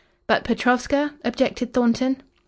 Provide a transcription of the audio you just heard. "But Petrovska?" objected Thornton.